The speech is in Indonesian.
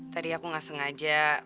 tadi aku nggak sengaja